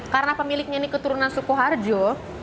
karena pemiliknya ini keturunan suku harjo